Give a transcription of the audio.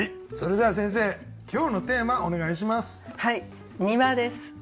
それでは先生今日のテーマお願いします。